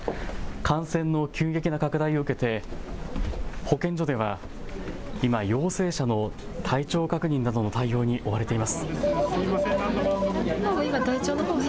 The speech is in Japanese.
感染の急激な拡大を受けて保健所では今、陽性者の体調確認などの対応に追われています。